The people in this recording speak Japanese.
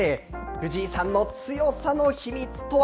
藤井さんの強さの秘密とは。